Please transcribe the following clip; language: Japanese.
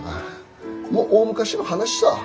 もう大昔の話さぁ。